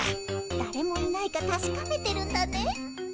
だれもいないかたしかめてるんだね。